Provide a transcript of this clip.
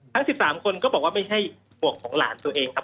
ทั้ง๑๓คนก็บอกว่าไม่ใช่ห่วงของหลานตัวเองครับ